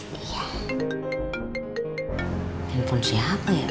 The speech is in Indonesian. telepon siapa ya